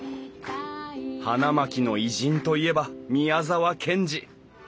花巻の偉人といえば宮沢賢治。